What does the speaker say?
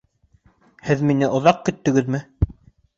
Һеҙ мине оҙаҡ көттөгөҙмө?